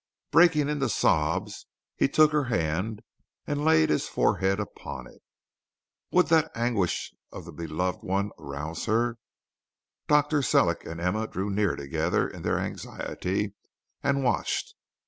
Breaking into sobs he took her hand and laid his forehead upon it. Would that anguish of the beloved one arouse her? Dr. Sellick and Emma drew near together in their anxiety and watched.